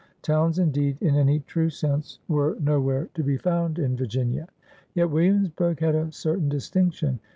Towns indeed, in any true sense, were nowhere to be found in Virginia. Yet ALEXANDER SPOTSWOOD ««S Williamsburg had a certain distinction.